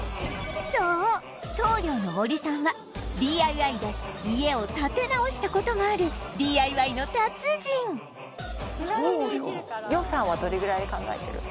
そう棟梁の森さんは ＤＩＹ で家を建て直した事もあるちなみに予算はどれぐらいで考えてる？